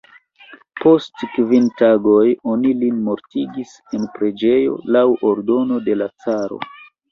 Post kvin tagoj oni lin mortigis en preĝejo, laŭ ordono de la caro.